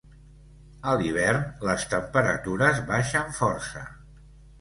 A l'hivern, les temperatures baixen força.